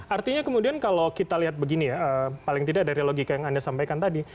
artinya kemudian kalau kita lihat begini ya paling tidak dari logika yang anda sampaikan tadi